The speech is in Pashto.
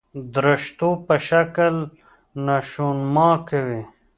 درشتو په شکل نشونما کوي.